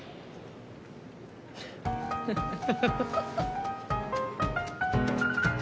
フッフフフ。